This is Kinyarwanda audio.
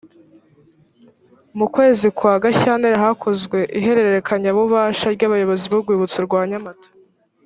mu kwezi kwa gashyantare hakozwe ihererekanyabubasha ryabayozozi burwibutso rwa nyamata